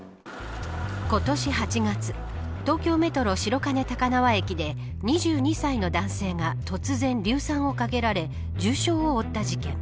今年８月東京メトロ白金高輪駅で２２歳の男性が突然、硫酸をかけられ重傷を負った事件。